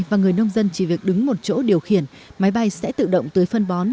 và người nông dân chỉ việc đứng một chỗ điều khiển máy bay sẽ tự động tưới phân bón